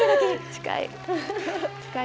近い。